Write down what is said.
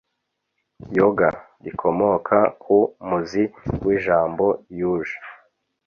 yoga: rikomoka ku muzi w’ijambo yuj